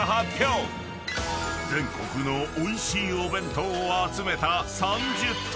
［全国のおいしいお弁当を集めた］